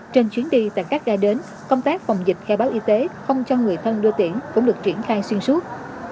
trên chuyến đi tại các gà đến công tác phòng dịch khai báo y tế không cho người thân đưa tiễn cũng được triển khai xuyên suốt